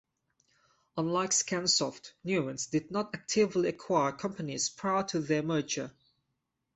Unlike ScanSoft, Nuance did not actively acquire companies prior to their merger.